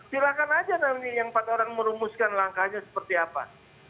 silakan aja nanti yang empat orang merumuskan langkahnya seperti apa